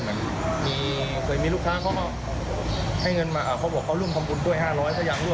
เหมือนมีเคยมีลูกค้าเขาก็ให้เงินมาเขาบอกเขาร่วมทำบุญด้วย๕๐๐สักอย่างด้วย